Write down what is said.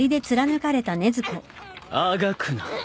あがくな。